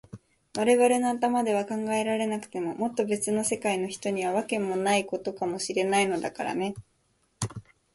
われわれの頭では考えられなくても、もっとべつの世界の人には、わけもないことかもしれないのだからね。